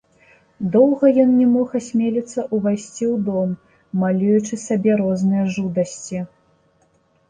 Доўга ён не мог асмеліцца ўвайсці ў дом, малюючы сабе розныя жудасці.